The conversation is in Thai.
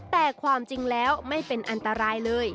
แต่ความจริงแล้วไม่เป็นอันตรายเลย